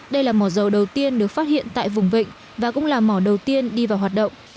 đây là mỏ dầu đầu tiên được phát hiện tại vùng vịnh và cũng là mỏ đầu tiên đi vào hoạt động